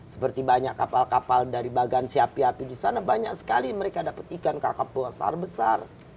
seperti banyak kapal kapal dari bagansi api api di sana banyak sekali mereka dapat ikan kakap besar besar